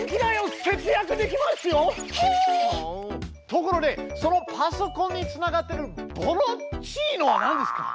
ところでそのパソコンにつながってるボロっちいのはなんですか？